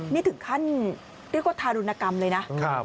นี่ถึงขั้นเรียกว่าทารุณกรรมเลยนะ